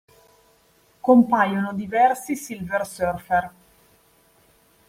Compaiono diversi Silver Surfer.